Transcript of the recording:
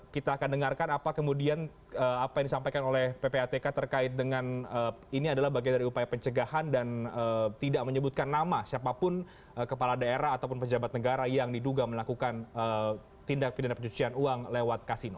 kita akan dengarkan apa kemudian apa yang disampaikan oleh ppatk terkait dengan ini adalah bagian dari upaya pencegahan dan tidak menyebutkan nama siapapun kepala daerah ataupun pejabat negara yang diduga melakukan tindak pidana pencucian uang lewat kasino